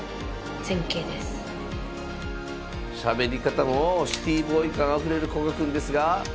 しゃべり方もシティボーイ感あふれる古賀くんですがさあ